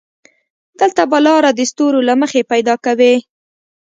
دلته به لاره د ستورو له مخې پيدا کوې.